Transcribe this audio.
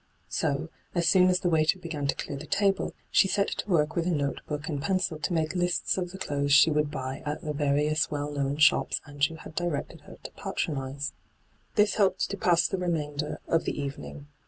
So, as soon as the waiter began to clear tJie table, she set to work with a notebook and pencil to make lists of the clothea she would buy at the various well known shops Andrew had directed her to patronize. This helped to pass the remainder of the evening.